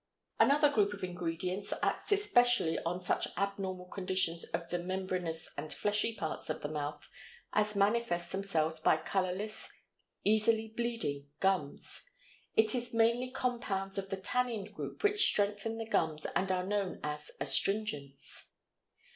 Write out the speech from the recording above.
Another group of ingredients acts especially on such abnormal conditions of the membranous and fleshy parts of the mouth as manifest themselves by colorless, easily bleeding gums. It is mainly compounds of the tannin group which strengthen the gums and are known as astringents.